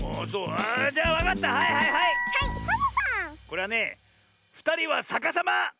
これはね「ふたりはさかさま」！